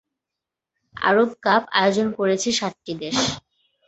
আরব cup আয়োজন করেছে সাতটি দেশ।